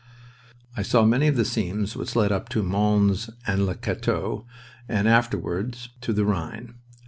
I saw many of the scenes which led up to Mons and Le Cateau and afterward to the Rhine.